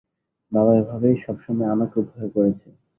বাবা এভাবেই সবসময় আমাকে উপেক্ষা করেছে।